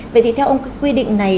vậy thì theo ông quy định này